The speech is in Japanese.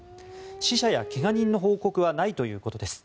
死者やけが人の報告はないということです。